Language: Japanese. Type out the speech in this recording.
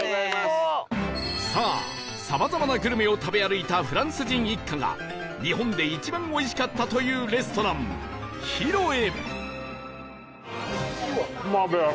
さあさまざまなグルメを食べ歩いたフランス人一家が日本で一番おいしかったというレストラン ＨＩＲＯ へ